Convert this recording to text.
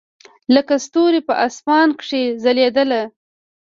لکه ستوري په اسمان کښې ځلېدل.